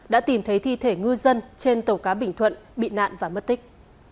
đã tìm thấy thi thể ngư dân trên tàu cá bình thuận bị nạn và mất tích